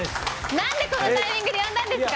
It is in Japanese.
何でこのタイミングで呼んだんですか！